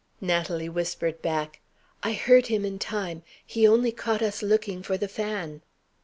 Natalie whispered back, "I heard him in time. He only caught us looking for the fan."